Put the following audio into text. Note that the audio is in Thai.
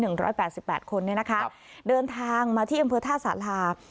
ร้อยแปดสิบแปดคนเนี่ยนะคะเดินทางมาที่อำเภอท่าสารา